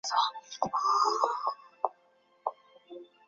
日本京都帝国大学经济学专攻毕业。